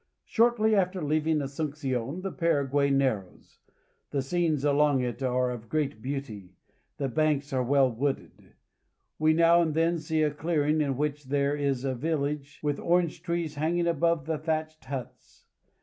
Shortly after leaving Asuncion the Paraguay narrows. The scenes along it are of great beauty. The banks are well wooded. We now and then see a clearing in which there is a village with orange trees hanging above the thatched huts.